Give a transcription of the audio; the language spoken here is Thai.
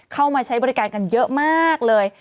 เข้ามาใช้บริการกันเยอะมากเลย